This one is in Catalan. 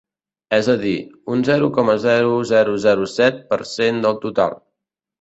És a dir, un zero coma zero zero zero set per cent del total.